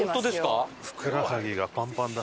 ふくらはぎがパンパンだ。